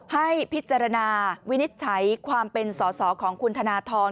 ให้พิจารณาวินิจฉัยความเป็นสอสอของคุณธนทร